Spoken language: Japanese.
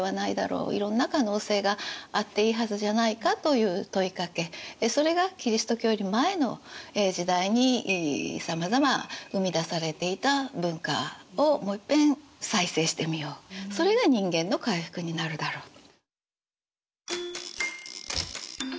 いろんな可能性があっていいはずじゃないかという問いかけそれがキリスト教より前の時代にさまざま生み出されていた文化をもういっぺん再生してみようそれが人間の回復になるだろうと。